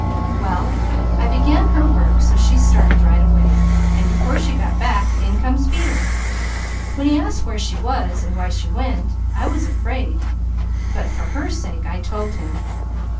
"Well I began her work so she started right away, and before she got back in comes Peter. When he asks where she was and why she went, I was afraid, but for her sake I told him.